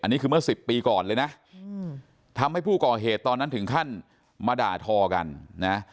อันนี้คือเมื่อ๑๐ปีก่อนเลยนะทำให้ผู้ก่อเหตุตอนนั้นถึงขั้นมาด่าทอกันนะ